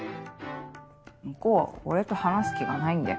向こうは俺と話す気がないんだよ。